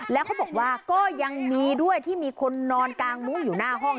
แล้วเขาบอกว่าก็ยังมีด้วยที่มีคนนอนกางมุ้งอยู่หน้าห้อง